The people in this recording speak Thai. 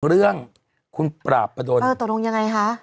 เรื่องคุณปราบประดนเออตกลงยังไงคะ